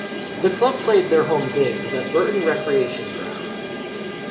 The club played their home games at Burton recreation ground.